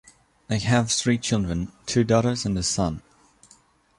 They have three children: two daughters and a son.